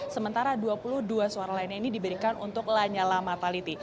sementara dua puluh dua suara lainnya ini diberikan untuk lanyala mataliti